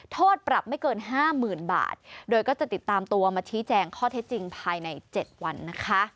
โทษปรับไม่เกินห้าหมื่นบาทโดยก็จะติดตามตัวมาชี้แจงข้อเท็จจริงภายใน๗วันนะคะ